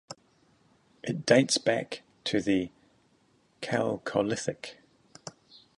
It dates back to the Chalcolithic.